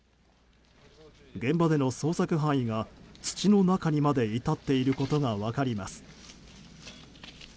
現場での捜索範囲が土の中にまで至っていることが分かります。